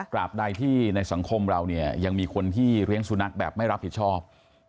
บใดที่ในสังคมเราเนี่ยยังมีคนที่เลี้ยงสุนัขแบบไม่รับผิดชอบ